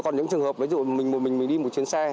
còn những trường hợp ví dụ mình một mình mình đi một chiến xe